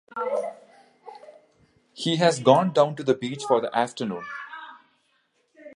He has gone down to the beach for the afternoon.